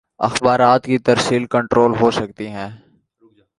اخبارات کی ترسیل کنٹرول ہو سکتی ہے۔